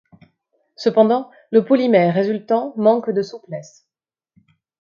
Cependant, le polymère résultant manque de souplesse.